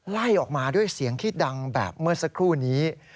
ไล่ออกมาด้วยเสียงที่ดังแบบเมื่อสักครู่นี้